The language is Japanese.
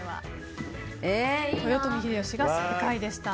豊臣秀吉が正解でした。